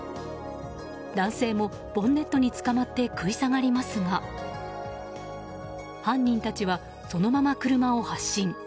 男性もボンネットにつかまって食い下がりますが犯人たちは、そのまま車を発進。